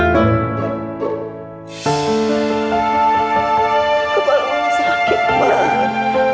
kepala mama sakit pak